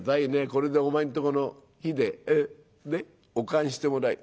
これでお前んとこの火でお燗してもらい」。